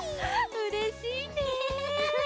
うれしいね。